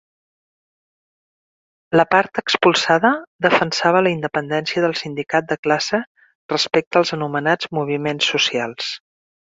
La part expulsada defensava la independència del sindicat de classe respecte als anomenats moviments socials.